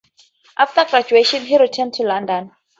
After graduation he returned to London.